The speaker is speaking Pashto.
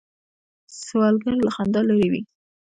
سوالګر له خندا لرې وي